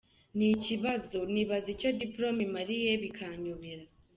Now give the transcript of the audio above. Ni ikibazo, nibaza icyo diploma imariye bikanyobera”.